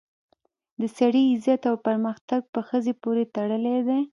د سړي عزت او پرمختګ په ښځې پورې تړلی دی